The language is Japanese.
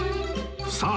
さあ